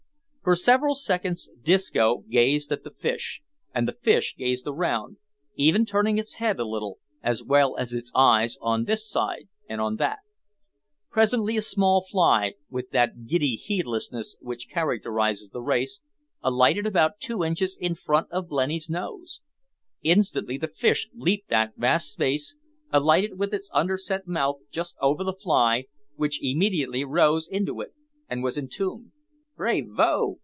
For several seconds Disco gazed at the fish, and the fish gazed around, even turning its head a little, as well as its eyes, on this side and on that. Presently a small fly, with that giddy heedlessness which characterises the race, alighted about two inches in front of blenny's nose. Instantly the fish leaped that vast space, alighted with its underset mouth just over the fly, which immediately rose into it and was entombed. "Brayvo!"